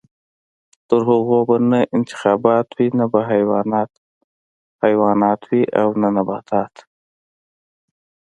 تر هغو به نه انتخابات وي، نه به حیوانات حیوانات وي او نه نباتات.